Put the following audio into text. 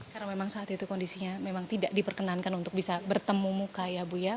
karena memang saat itu kondisinya memang tidak diperkenankan untuk bisa bertemu muka ya bu ya